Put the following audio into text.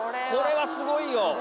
これはすごいよ！